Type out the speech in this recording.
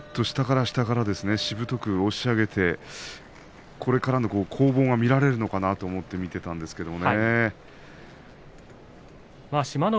下から下から押し上げてこれから攻防が見られるのかなと思っていたんですけど。